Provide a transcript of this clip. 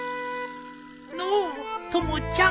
のうトモちゃん。